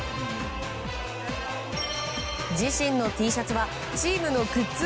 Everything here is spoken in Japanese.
自身のＴシャツはチームのグッズ